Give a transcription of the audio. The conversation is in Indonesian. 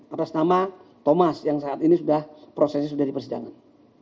atas nama thomas yang saat ini prosesnya sudah dipersedangkan